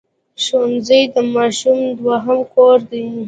ښوونځی د ماشوم دوهم کور دی